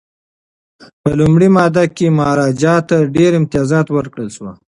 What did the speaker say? په لومړۍ ماده کي مهاراجا ته ډیر امتیازات ورکړل شول.